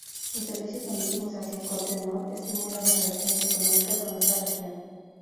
Los servicios marítimos hacia Côte-Nord estimulan las relaciones económicas con esta región.